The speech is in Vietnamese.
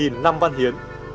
một năm văn hóa